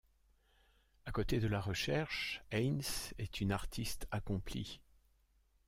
À côté de la recherche, Haynes est une artiste accomplie.